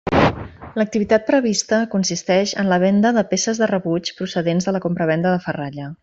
L'activitat prevista consisteix en la venda de peces de rebuig procedents de la compravenda de ferralla.